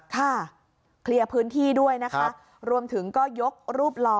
ค่ะเคลียร์พื้นที่ด้วยนะคะรวมถึงก็ยกรูปหล่อ